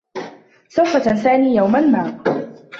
سوف تنساني يوما ما.